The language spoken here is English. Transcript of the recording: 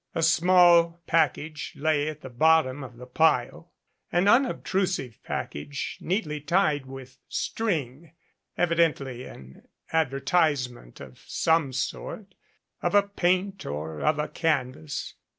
A small package lay at the bottom of the pile, an unobtrusive package neatly tied with string evidently an advertisement of some sort of a paint or of a canvas.